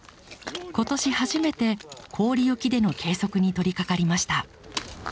今年初めて氷斧での計測に取りかかりました。